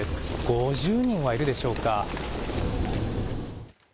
５０人はいるでしょうか。